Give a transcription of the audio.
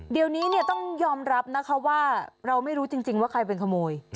เดี๋ยวนี้ต้องยอมรับนะคะว่าเราไม่รู้จริงว่าใครเป็นขโมย